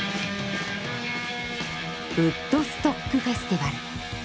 ウッドストック・フェスティバル。